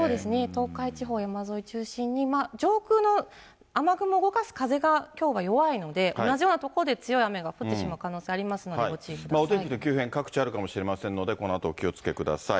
東海地方、山沿い中心に、上空の雨雲動かす風がきょうは弱いので、同じような所で強い雨が降ってしまう可能性あお天気の急変、各地あるかもしれませんので、このあと、お気をつけください。